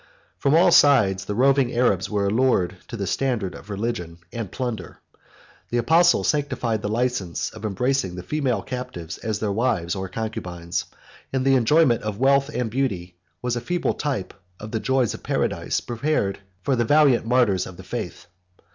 From all sides the roving Arabs were allured to the standard of religion and plunder: the apostle sanctified the license of embracing the female captives as their wives or concubines, and the enjoyment of wealth and beauty was a feeble type of the joys of paradise prepared for the valiant martyrs of the faith.